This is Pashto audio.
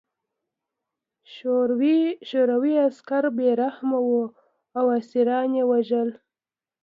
شوروي عسکر بې رحمه وو او اسیران یې وژل